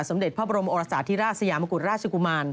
เด็จพระบรมโอรสาธิราชสยามกุฎราชกุมาร